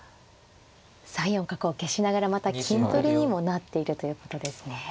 ３四角を消しながらまた金取りにもなっているということですね。